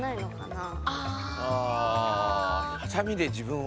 ああ。